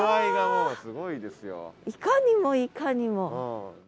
いかにもいかにも。